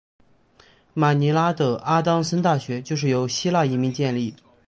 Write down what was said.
马尼拉的阿当森大学就是由希腊移民建立。